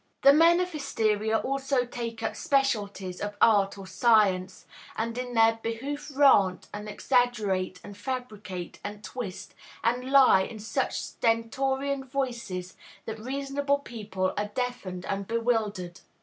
These men of hysteria also take up specialties of art or science; and in their behoof rant, and exaggerate, and fabricate, and twist, and lie in such stentorian voices that reasonable people are deafened and bewildered.